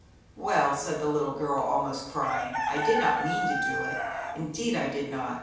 "Well," said the little girl, almost crying, "I did not mean to do it, indeed I did not.